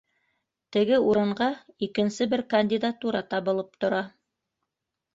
Теге урынға икенсе бер кандидатура табылып тора.